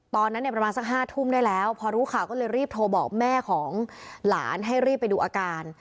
ตอนนั้นเนี่ยประมาณสัก๕ทุ่มได้แล้วพอรู้ข่าวก็เลยรีบโทรบอกแม่ของหลานให้รีบไปดูอาการ